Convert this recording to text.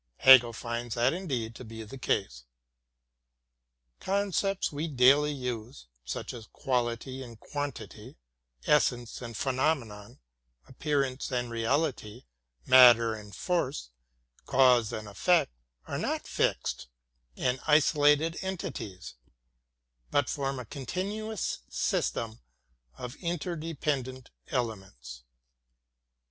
Hegel finds that indeed to be the case. Concepts we daily use, such as quality and quantity, essence and phenomenon, appearance and reality, matter and force, cause and ef fect, are not fixed and isolated entities, but form a continu ous system of interdependent elements.